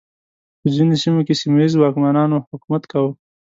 په ځینو سیمو کې سیمه ییزو واکمنانو حکومت کاوه.